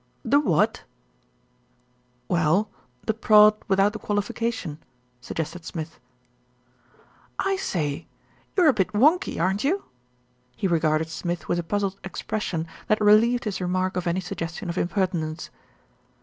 "The what?" "Well, the prod without the qualification," sug gested Smith. "I say, you're a bit whonky, aren't you?" He re garded Smith with a puzzled expression that relieved his remark of any suggestion of impertinence.